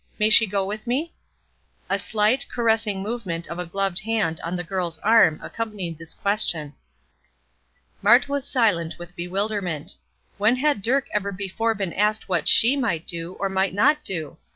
May she go with me?" A slight, caressing movement of a gloved hand on the girl's arm accompanied this question. Mart was silent with bewilderment. When had Dirk ever before been asked what she might do, or might not do?